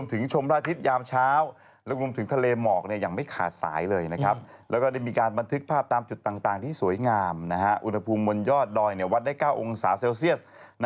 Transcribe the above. อุณหภูมิมนต์ยอดดอยวัดได้๙องศาลเซลเซียส